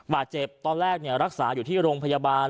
บาดเจ็บตอนแรกรักษาอยู่ที่โรงพยาบาล